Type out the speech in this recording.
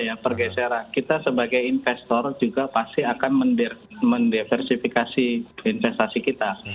ya pergeseran kita sebagai investor juga pasti akan mendiversifikasi investasi kita